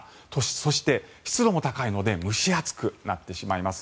そして、湿度も高いので蒸し暑くなってしまいます。